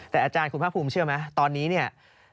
แต่อาจารย์คุณภาคภูมิเชื่อไหมตอนนี้เนี่ย